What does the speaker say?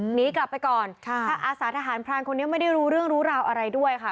หนีกลับไปก่อนค่ะถ้าอาสาทหารพรานคนนี้ไม่ได้รู้เรื่องรู้ราวอะไรด้วยค่ะ